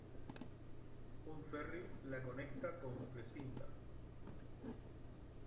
Un ferry la conecta con Flesinga.